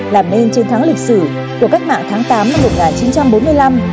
làm nên chiến thắng lịch sử của cách mạng tháng tám năm một nghìn chín trăm bốn mươi năm